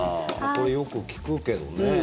これ、よく聞くけどね。